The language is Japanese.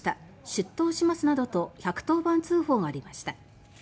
出頭します」などと１１０番通報がありました。